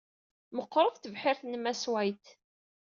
Meqqṛet tebḥirt n Mass White.